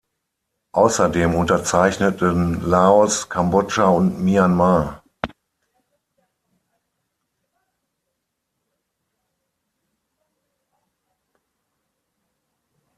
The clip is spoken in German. Außerdem unterzeichneten Laos, Kambodscha und Myanmar.